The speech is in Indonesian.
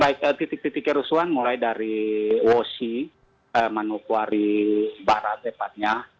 baik titik titik kerusuhan mulai dari wosi manukwari barat tepatnya